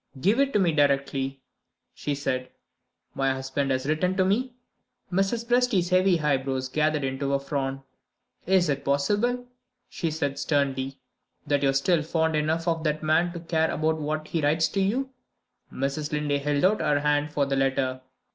"Give it to me directly," she said; "my husband has written to me." Mrs. Presty's heavy eyebrows gathered into a frown. "Is it possible," she asked sternly, "that you are still fond enough of that man to care about what he writes to you?" Mrs. Linley held out her hand for the letter.